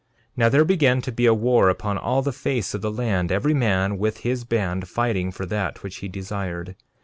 13:25 Now there began to be a war upon all the face of the land, every man with his band fighting for that which he desired.